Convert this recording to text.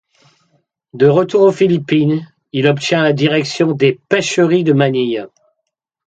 De retour aux Philippines, il obtient la direction des pêcheries de Manille.